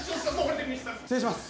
失礼します。